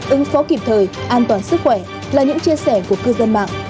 ứng phó kịp thời an toàn sức khỏe là những chia sẻ của cư dân mạng